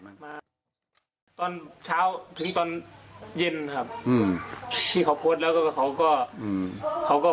ตอนเช้าถึงตอนเย็นครับที่เขาโพสแล้วเขาก็